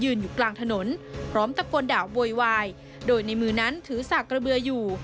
อยู่กลางถนนพร้อมตะโกนด่าโวยวายโดยในมือนั้นถือสากระเบืออยู่